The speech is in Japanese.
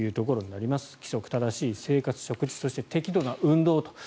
規則正しい、生活、食事そして適度な運動と。